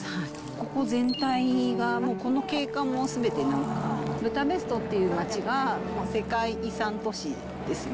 ここ全体がもうこの景観もすべてブダペストっていう街は、世界遺産都市ですね。